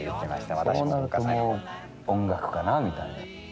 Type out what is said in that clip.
そうなるともう、音楽かな、みたいな。